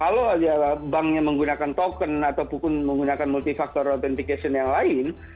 kalau banknya menggunakan token ataupun menggunakan multifaktor authentication yang lain